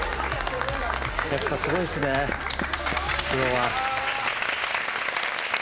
やっぱすごいっすね、プロは。